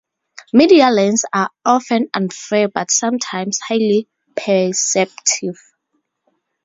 Media Lens are "often unfair but sometimes highly perceptive".